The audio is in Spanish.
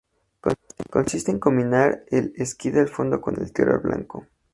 Consiste en combinar el esquí de fondo con el tiro al blanco.